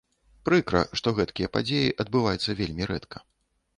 Прыкра, што гэткія падзеі адбываюцца вельмі рэдка.